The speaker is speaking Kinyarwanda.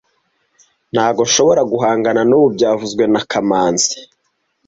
Ntabwo nshobora guhangana nubu byavuzwe na kamanzi